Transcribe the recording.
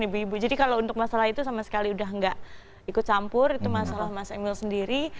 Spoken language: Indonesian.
ibu ibu jadi kalau untuk masalah itu sama sekali udah nggak ikut campur itu masalah mas emil sendiri